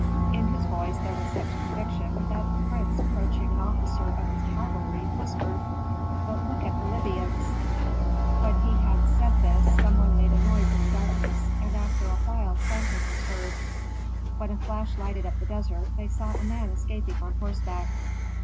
In his voice there was such conviction that the prince approaching an officer of his cavalry whispered, "But look at the Libyans." When he had said this some one made a noise in the darkness, and after a while tramping was heard. When a flash lighted up the desert they saw a man escaping on horseback.